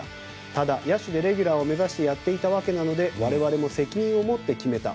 ただ、野手でレギュラーを目指してやっていたわけなので我々も責任を持って決めた。